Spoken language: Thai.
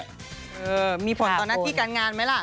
เออมีผลต่อหน้าที่การงานไหมล่ะ